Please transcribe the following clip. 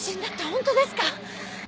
本当ですか？